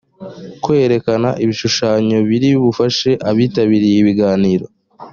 kwerekana ibishushanyo biri bufashe abitabiriye ibiganiro